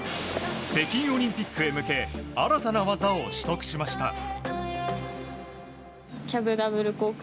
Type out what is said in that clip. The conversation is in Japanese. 北京オリンピックへ向け新たな技を習得しました。